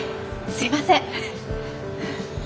すいません！